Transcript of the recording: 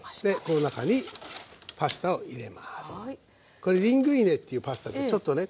これリングイネっていうパスタでちょっとね